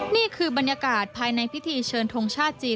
นี่คือบรรยากาศภายในพิธีเชิญทงชาติจีน